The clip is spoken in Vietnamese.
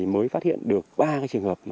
mới phát hiện được ba trường hợp